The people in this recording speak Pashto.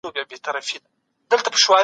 فیلو غواړي په سیالۍ کې برخه واخلي.